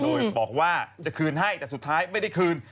โดยบอกว่าจะคืนให้แต่สุดท้ายไม่ได้คืน